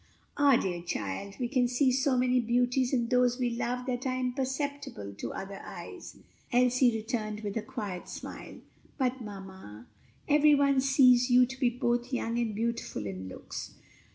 "Ah, dear child! we can see many beauties in those we love that are imperceptible to other eyes," Elsie returned with a quiet smile. "But, mamma, every one sees you to be both young and beautiful in looks.